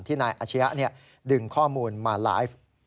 นายอาชียะดึงข้อมูลมาไลฟ์